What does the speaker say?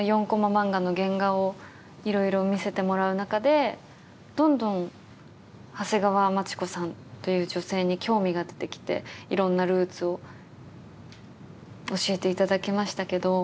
漫画の原画を色々見せてもらう中でどんどん長谷川町子さんという女性に興味が出てきていろんなルーツを教えていただきましたけど。